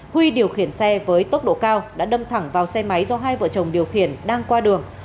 huy điều khiển xe với tốc độ cao đã đâm thẳng vào xe máy do hai vợ chồng điều khiển đang qua đường